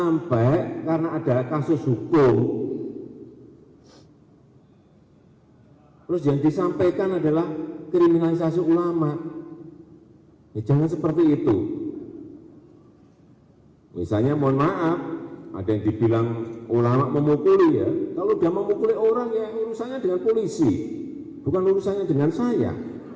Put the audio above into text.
misalnya mohon maaf ada yang dibilang ulama memukuli ya kalau udah memukuli orang ya urusannya dengan polisi bukan urusannya dengan saya